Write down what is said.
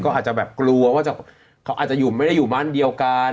ก็อาจจะแบบกลัวว่าเขาอาจจะอยู่ไม่ได้อยู่บ้านเดียวกัน